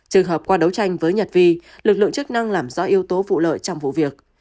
trường hợp qua đấu tranh với nhật vi lực lượng chức năng làm rõ yếu tố vụ lợi trong vụ việc